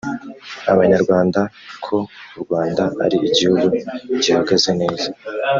abanyarwanda ko u rwanda ari igihugu gihagaze neza